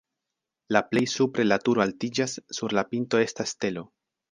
La plej supre la turo altiĝas, sur la pinto estas stelo.